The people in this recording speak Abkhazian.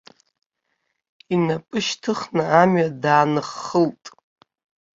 Инапы шьҭыхны амҩа дааныххылт.